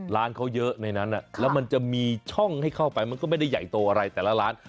ร้านเขาเยอะในนั้นแล้วมันจะมีช่องให้เข้าไปมันก็ไม่ได้ใหญ่โตอะไรแต่ละร้าน